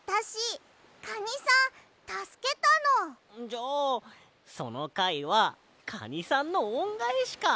じゃあそのかいはカニさんのおんがえしか。